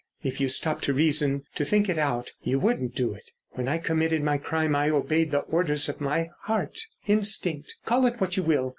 If you stopped to reason, to think it out, you wouldn't do it. When I committed my crime I obeyed the orders of my heart—instinct—call it what you will.